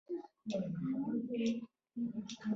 د شوګانانو حکومت امپراتور ګوښه کړی و.